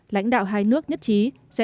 lãnh đạo hai nước nhất trí sẽ